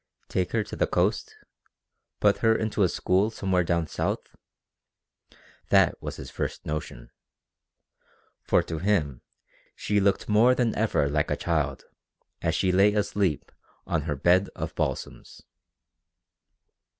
Take her to the coast put her into a school somewhere down south? That was his first notion. For to him she looked more than ever like a child as she lay asleep on her bed of balsams.